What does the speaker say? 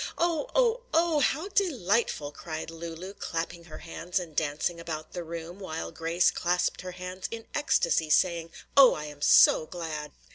"Oh! oh! oh! how delightful!" cried Lulu, clapping her hands and dancing about the room, while Grace clasped her hands in ecstasy, saying, "Oh, I am so glad!"